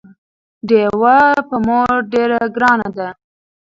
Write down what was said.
ډيوه په مور ډېره ګرانه ده